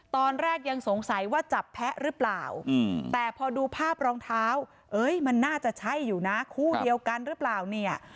ตอนแรกยังสงสัยว่าจับแพ้หรือเปล่าแต่พอดูภาพรองเท้าเอ้ยมันน่าจะใช่อยู่นะคู่เดียวกันหรือเปล่าเนี่ย